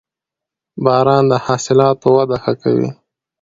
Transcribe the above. • باران د حاصلاتو وده ښه کوي.